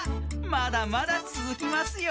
まだまだつづきますよ。